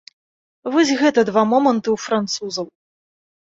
Вось гэта два моманты ў французаў.